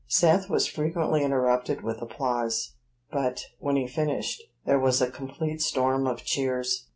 Seth was frequently interrupted with applause; but, when he finished, there was a complete storm of cheers.